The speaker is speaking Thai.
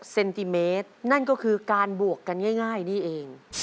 เซนติเมตรนั่นก็คือการบวกกันง่ายนี่เอง